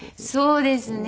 そうですね。